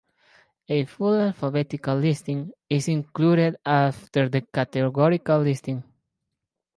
A full alphabetical listing is included after the categorical listing.